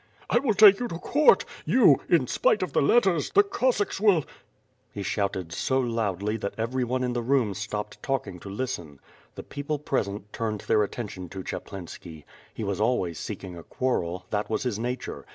•'I will take you to court — ^you, in spite of the letters — the Cossacks will —" He shouted so loudly that every ooie in the room stopped talking to listen. The people present turned their attention to Chaplinski. He was always seeking a quarrel, that was his nature.